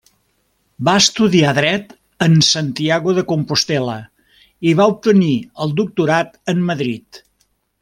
Va estudiar Dret en Santiago de Compostel·la i va obtenir el doctorat en Madrid.